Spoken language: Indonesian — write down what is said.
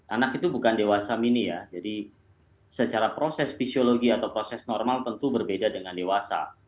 anak itu bukan dewasa mini ya jadi secara proses fisiologi atau proses normal tentu berbeda dengan dewasa